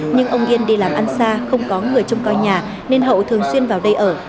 nhưng ông yên đi làm ăn xa không có người trông coi nhà nên hậu thường xuyên vào đây ở